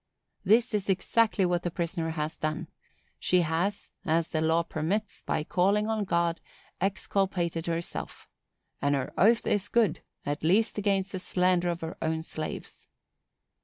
This is exactly what the prisoner has done; she has, as the law permits, by calling on God, exculpated herself. And her oath is good, at least against the slander of her own slaves.